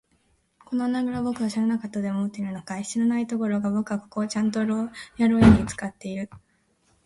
この穴ぐらをぼくが知らなかったとでも思っているのかい。知らないどころか、ぼくはここをちゃんと牢屋ろうやに使っていたんだよ。